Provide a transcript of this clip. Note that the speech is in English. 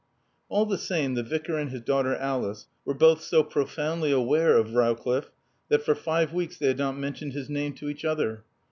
All the same, the Vicar and his daughter Alice were both so profoundly aware of Rowcliffe that for five weeks they had not mentioned his name to each other.